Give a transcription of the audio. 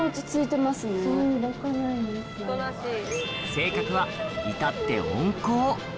性格は至って温厚